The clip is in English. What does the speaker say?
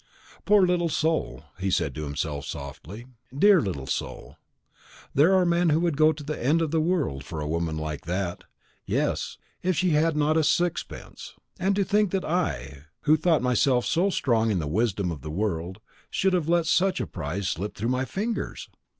"Poor little soul," he said softly to himself; "dear little soul! There are men who would go to the end of the world for a woman like that; yes, if she had not a sixpence. And to think that I, who thought myself so strong in the wisdom of the world, should have let such a prize slip through my fingers?